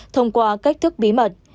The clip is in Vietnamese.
thông qua cách thức bí mật